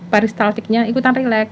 paristaltiknya ikutan rilek